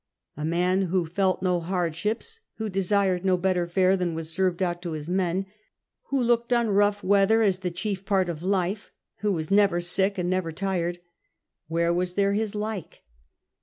A man who felt no hardships, who desired no 34 CAPTAIN COOK CHAP. better fare than was served out to his men, who looked on rough weather as the chief part of life, who was never sick, and never tired — where was there his like